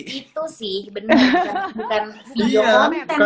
itu sih bener bukan